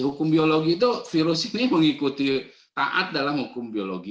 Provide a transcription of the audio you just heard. hukum biologi itu virus ini mengikuti taat dalam hukum biologi